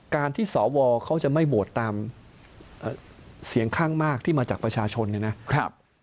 การที่สวเขาจะไม่โหวตตามเสียงข้างมากที่มาจากประชาชนเนี่ยนะครับ